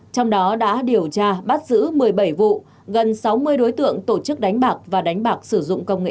trong đó đã điều tra bắt giữ một mươi bảy vụ gần sáu mươi đối tượng tổ chức đánh bạc và đánh bạc sử dụng công nghệ